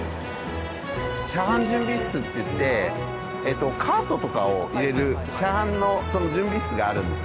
「車販準備室」っていってカートとかを入れる車販の準備室があるんですね。